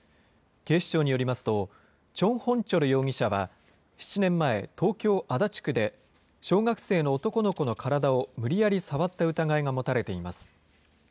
警視庁によりますと、全弘哲容疑者は、７年前、東京・足立区で、小学生の男の子の体を無理やり触った疑いが持たれています。